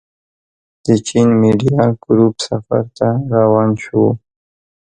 د چين ميډيا ګروپ سفر ته روان شوو.